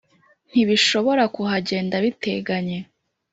Ntibishobora kuhagenda biteganye